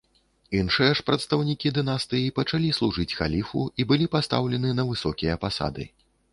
Іншыя ж прадстаўнікі дынастыі пачалі служыць халіфу і былі пастаўлены на высокія пасады.